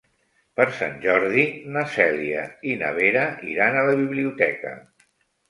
Per Sant Jordi na Cèlia i na Vera iran a la biblioteca.